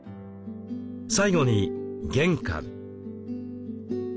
最後に玄関。